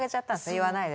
言わないで。